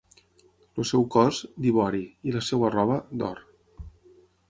El seu cos, d'ivori, i la seva roba, d'or.